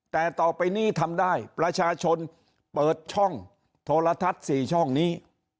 แต่ต่อไปนี้ทำได้ประชาชนเปิดช่องโทรทัศน์๔ช่องนี้